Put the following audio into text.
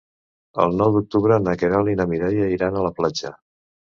El nou d'octubre na Queralt i na Mireia iran a la platja.